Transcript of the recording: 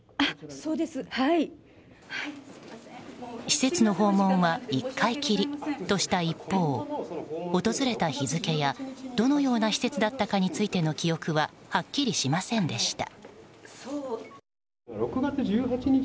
施設の訪問は１回きりとした一方訪れた日付やどのような施設だったのかについての記憶ははっきりしませんでした。